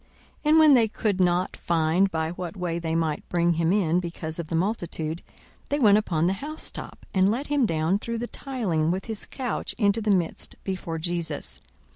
42:005:019 And when they could not find by what way they might bring him in because of the multitude, they went upon the housetop, and let him down through the tiling with his couch into the midst before Jesus.